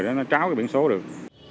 để nó tráo cái biển số được